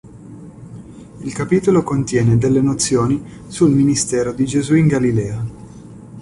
Il capitolo contiene delle nozioni sul ministero di Gesù in Galilea.